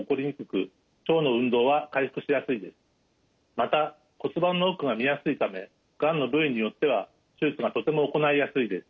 また骨盤の奥が見やすいためがんの部位によっては手術がとても行いやすいです。